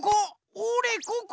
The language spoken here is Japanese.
おれここ！